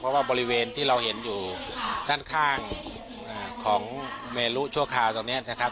เพราะว่าบริเวณที่เราเห็นอยู่ด้านข้างของเมลุชั่วคราวตรงนี้นะครับ